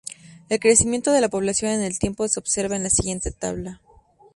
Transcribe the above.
El crecimiento de la población en el tiempo se observa en la siguiente tabla.